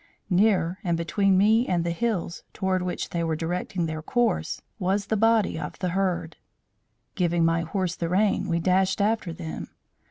Nearer, and between me and the hills, toward which they were directing their course, was the body of the herd. Giving my horse the rein, we dashed after them.